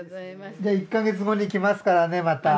じゃあ１カ月後に来ますからねまた。